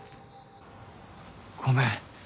ごめん。